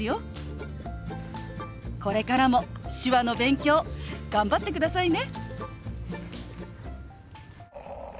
これからも手話の勉強頑張ってくださいね。